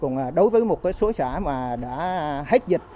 còn đối với một số xã mà đã hết dịch